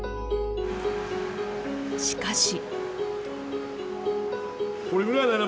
しかし。